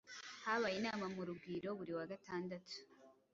Habaye inama mu rugwiro buri wa gatandatu